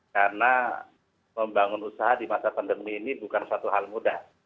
karena membangun usaha di masa pandemi ini bukan suatu hal mudah